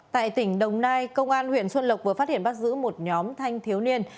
tại tỉnh đồng nai công an huyện xuân lộc vừa phát hiện bắt giữ một nhóm thanh thiếu niên